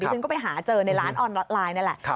ฉันก็ไปหาเจอในร้านออนไลน์นี่แหละ